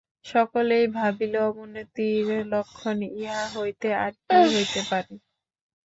সকলেই ভাবিল, অবনতির লক্ষণ ইহা হইতে আর কী হইতে পারে!